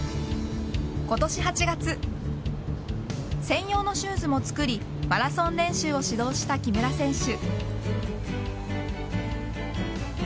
今年８月専用のシューズも作りマラソン練習を始動した木村選手。